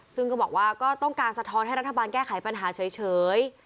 ซึ่งก็บอกว่าก็ต้องการสะท้อนให้รัฐบาลแก้ไขปัญหาเฉย